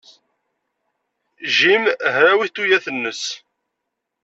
Jim hrawit tuyat-nnes.